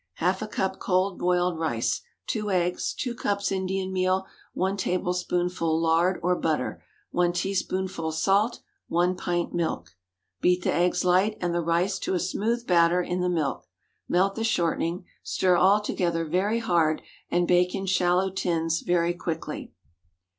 ✠ Half a cup cold boiled rice. 2 eggs. 2 cups Indian meal. 1 tablespoonful lard or butter. 1 teaspoonful salt. 1 pint milk. Beat the eggs light, and the rice to a smooth batter in the milk. Melt the shortening. Stir all together very hard, and bake in shallow tins very quickly.